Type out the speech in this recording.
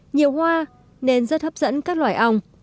nhiều hoa nên rất hấp dẫn các loài ong